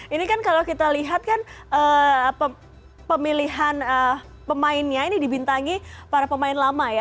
ini kan kalau kita lihat kan pemilihan pemainnya ini dibintangi para pemain lama ya